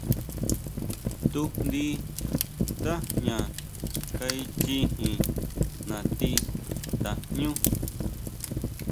Tujndi nda jña kaichijin nati tajñú.